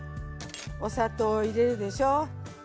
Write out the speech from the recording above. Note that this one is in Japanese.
お砂糖入れるでしょ。